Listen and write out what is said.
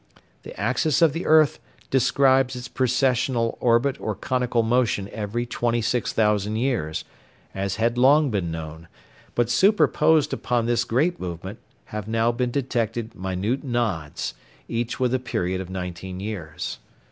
The axis of the earth describes its precessional orbit or conical motion every 26,000 years, as had long been known; but superposed upon this great movement have now been detected minute nods, each with a period of nineteen years.